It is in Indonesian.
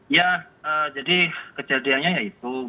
ya jadi kejadiannya ya itu